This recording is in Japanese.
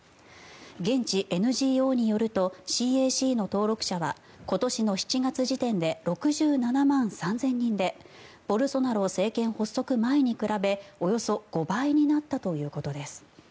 現地ＮＧＯによるとＣＡＣの登録者は今年の７月時点で６７万３０００人でボルソナロ政権発足前に比べおよそ５倍になったということです。